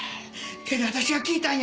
けど私は聞いたんや！